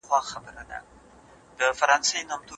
ساعت په دیوال پورې خاموش پاتې و.